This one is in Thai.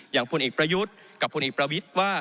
เป็นคนเอกประยุทธ์กับคนเอกประวิทธิ์ว่า